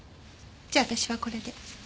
じゃあ私はこれで。